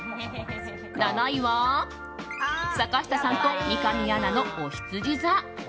７位は、坂下さんと三上アナのおひつじ座。